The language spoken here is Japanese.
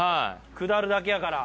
下るだけやから。